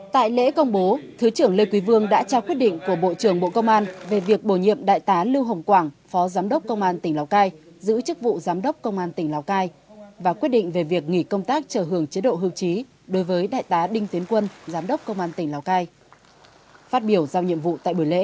tại lễ công bố thứ trưởng lê quý vương đã trao quyết định của bộ trưởng bộ công an về việc bổ nhiệm đại tá lưu hồng quảng phó giám đốc công an tỉnh lào cai giữ chức vụ giám đốc công an tỉnh lào cai và quyết định về việc nghỉ công tác trở hưởng chế độ hưu trí đối với đại tá đinh tiến quân giám đốc công an tỉnh lào cai